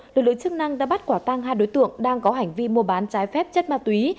lực lượng chức năng đã bắt quả tăng hai đối tượng đang có hành vi mua bán trái phép chất ma túy